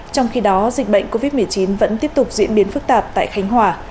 trong khi đó dịch bệnh covid một mươi chín vẫn tiếp tục diễn biến phức tạp tại khánh hòa